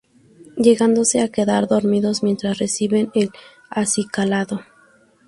Llegándose a quedar dormidos mientras reciben el acicalado.